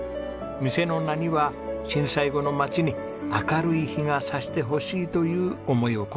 店の名には震災後の街に明るい日が差してほしいという思いを込めました。